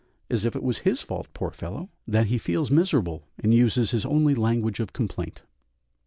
as if it was his fault poor fellow! that he feels miserable and uses his only language of complaint.